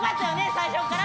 最初から！